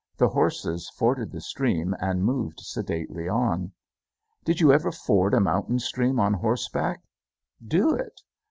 The horses forded the stream and moved sedately on. Did you ever ford a mountain stream on horseback? Do it.